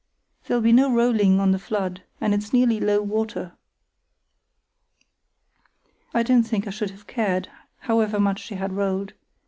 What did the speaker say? "There'll be no rolling on the flood, and it's nearly low water." I don't think I should have cared, however much she had rolled.